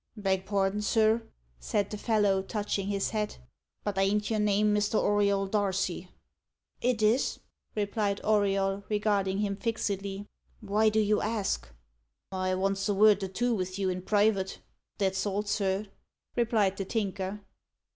"Beg pardin, sir," said the fellow, touching his hat, "but ain't your name Mr. Auriol Darcy?" "It is," replied Auriol, regarding him fixedly. "Why do you ask?" "I vants a vord or two vith you in private that's all, sir," replied the Tinker.